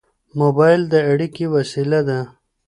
موبایل د اړیکې وسیله ده.